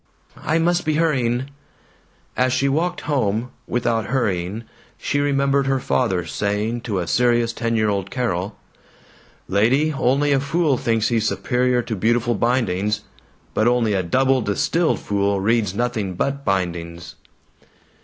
... I must be hurrying." As she walked home without hurrying she remembered her father saying to a serious ten year old Carol, "Lady, only a fool thinks he's superior to beautiful bindings, but only a double distilled fool reads nothing but bindings."